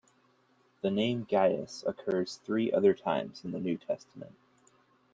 The name Gaius occurs three other times in the New Testament.